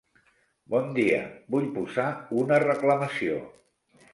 Bon dia, vull posar una reclamació.